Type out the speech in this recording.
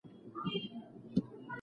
د ښځې سپکاوی ستره ګناه ده.